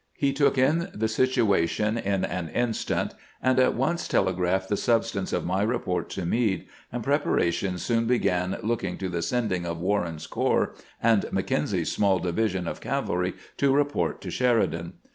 He took in the situation in an instant, and at once telegraphed the substance of my report to Meade, and preparations soon began looking to the sending of Warren's corps and Mackenzie's small division of cavalry to report to Sheri dan.